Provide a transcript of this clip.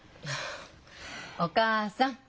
お義母さん！